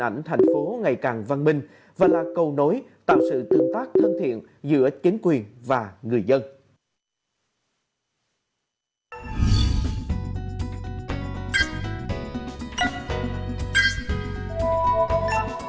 ảnh thành phố ngày càng văn minh và là cầu nối tạo sự tương tác thân thiện giữa chính quyền và người dân